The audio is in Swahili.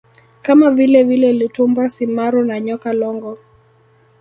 kama vilevile Lutumba Simaro na Nyoka Longo